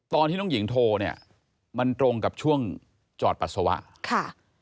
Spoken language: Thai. ตอนที่น้องหญิงโทรเนี่ยมันตรงกับช่วงจอดปัสสาวะค่ะ